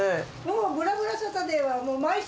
『ぶらぶらサタデー』は。